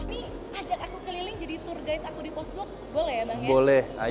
ini ajak aku keliling jadi tour guide aku di post blok boleh ya bang ya